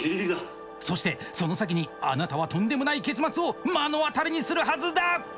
そして、その先にあなたはとんでもない結末を目の当たりにするはずだ。